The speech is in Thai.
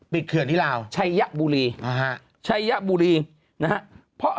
ปิดเคือนที่ราวไชยะบุรีไชยะบุรีนะฮะ